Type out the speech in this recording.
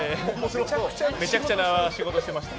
めちゃくちゃな仕事してました。